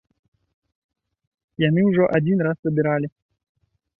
Яны ўжо адзін раз забіралі.